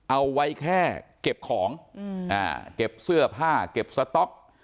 เอาไว้แค่เก็บของเก็บเสื้อผ้าเก็บสต๊อก